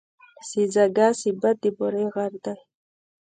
سېځگه سېبت د بوري غر دی.